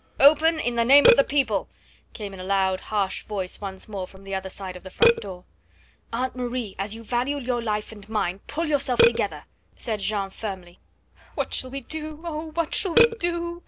"Open, in the name of the people!" came in a loud harsh voice once more from the other side of the front door. "Aunt Marie, as you value your life and mine, pull yourself together," said Jeanne firmly. "What shall we do? Oh! what shall we do?"